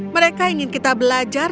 mereka ingin kita belajar